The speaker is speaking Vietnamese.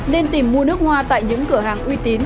nên tìm mua nước hoa tại những cửa hàng uy tín